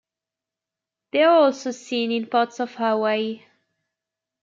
They are also seen in part of Hawaii.